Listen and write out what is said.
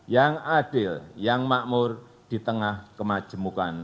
yang adil yang makmur di tengah kemajemukan